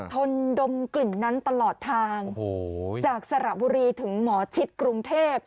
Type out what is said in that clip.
ทนดมกลิ่นนั้นตลอดทางจากสระบุรีถึงหมอชิดกรุงเทพ